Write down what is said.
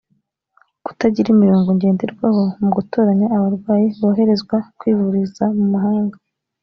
kutagira imirongo ngenderwaho mu gutoranya abarwayi boherezwa kwivuriza mu mahanga